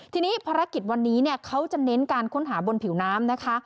ทีนี้ภารกิจวันนี้เขาจะเน้นการค้นหาบนผิวน้ำนะคะ